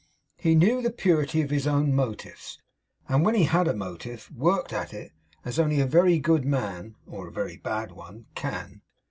He knew the purity of his own motives; and when he had a motive worked at it as only a very good man (or a very bad one) can.